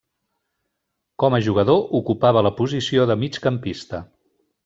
Com a jugador ocupava la posició de migcampista.